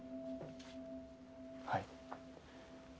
はい。